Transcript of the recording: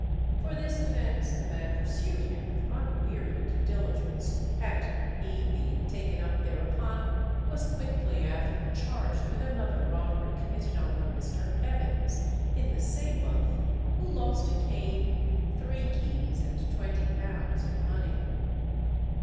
For this offence the man pursued him with unwearied diligence, and he being taken up thereupon was quickly after charged with another robbery committed on one Mr. Evans, in the same month, who lost a cane, three keys, and twenty pounds in money.